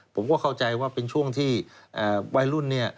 ผมก็เข้าใจว่าเป็นช่วงที่วัยรุ่นเนี่ย